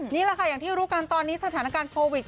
นี่แหละค่ะอย่างที่รู้กันตอนนี้สถานการณ์โควิด